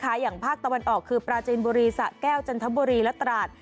อย่างภาคตะวันออกคือปราจีนบุรีสะแก้วจันทบุรีและตราด